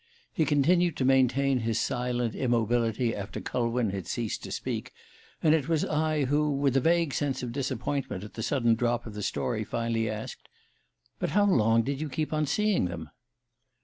He continued to maintain his silent immobility after Culwin had ceased to speak, and it was I who, with a vague sense of disappointment at the sudden drop of the story, finally asked: "But how long did you keep on seeing them?"